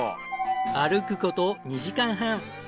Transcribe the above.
歩く事２時間半。